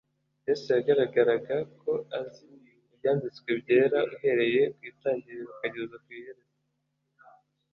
Yesu yagaragaraga ko azi Ibyanditswe Byera uhereye ku Itangiriro ukageza kw’iherezo